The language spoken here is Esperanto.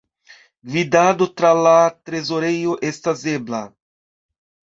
Gvidado tra la trezorejo estas ebla.